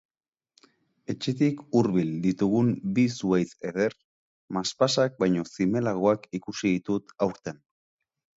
Etxetik hurbil ditugun bi zuhaitz eder, maspasak baino zimelagoak ikusi ditut aurten.